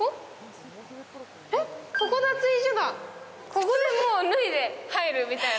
ここで脱いで入るみたいな。